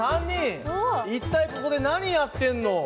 一体ここで何やってんの？